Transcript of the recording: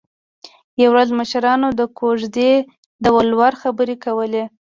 یوه ورځ مشرانو د کوژدې د ولور خبرې کولې